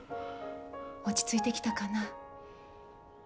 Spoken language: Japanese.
落ち着いてきたかな？